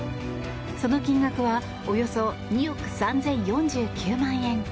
その金額はおよそ２億３０４９万円。